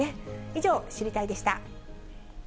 以上、知りたいッ！でした。